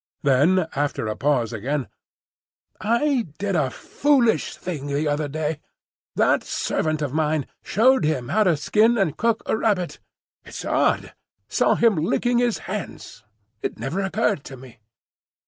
Then, after a pause again: "I did a foolish thing the other day. That servant of mine—I showed him how to skin and cook a rabbit. It's odd—I saw him licking his hands—It never occurred to me."